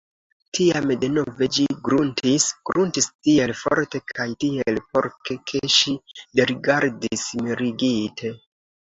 Tiam denove ĝi gruntis, gruntis tiel forte kaj tiel porke, ke ŝi derigardis, mirigite.